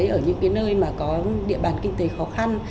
ở những cái nơi mà có địa bàn kinh tế khó khăn